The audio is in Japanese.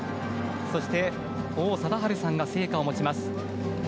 そして王貞治さんが聖火を持ちます。